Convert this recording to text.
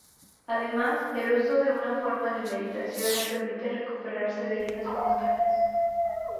Además, el uso de una forma de meditación le permite recuperarse de heridas mortales.